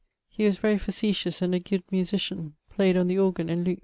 He was very facetious, and a good musitian, playd on the organ and lute.